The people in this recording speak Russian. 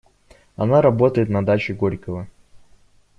Она работает на даче Горького.